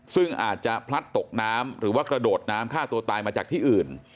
ซึ่งอาจจะพลัดตกน้ำหรือว่ากระโดดน้ำฆ่าตัวตายมาจากที่อื่น